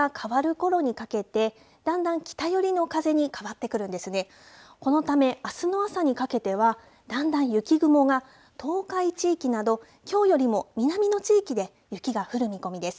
このため、あすの朝にかけては、だんだん雪雲が東海地域など、きょうよりも南の地域で雪が降る見込みです。